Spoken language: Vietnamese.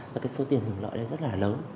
và cái số tiền hưởng lợi rất là lớn